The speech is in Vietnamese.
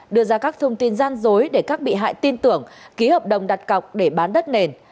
đưa ra các thông tin gian dối để các bị hại tin tưởng ký hợp đồng đặt cọc để bán đất nền